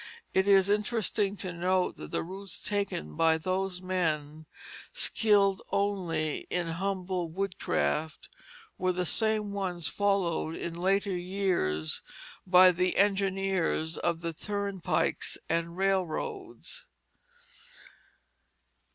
It is interesting to note that the routes taken by those men, skilled only in humble woodcraft, were the same ones followed in later years by the engineers of the turnpikes and railroads.